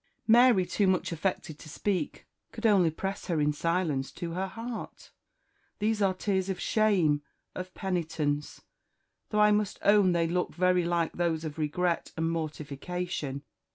Mary, too much affected to speak, could only press her in silence to her heart. "These are tears of shame, of penitence, though I must own they look very like those of regret and mortification.